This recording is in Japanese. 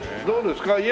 どうですか？